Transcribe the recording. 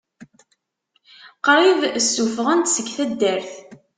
Qrib ssufɣen-t seg taddart.